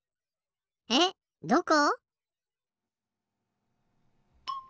えっどこ？